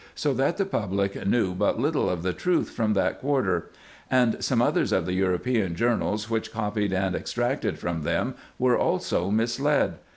so that the public knew but little of the truth from that quarter ; and some others of the European journals, which copied and ex tracted from them, were also misled.